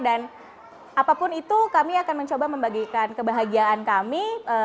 dan apapun itu kami akan mencoba membagikan kebahagiaan kami